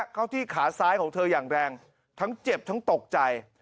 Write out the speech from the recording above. เข้าที่ขาซ้ายของเธออย่างแรงทั้งเจ็บทั้งตกใจ